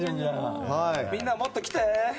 みんな、もっと来て！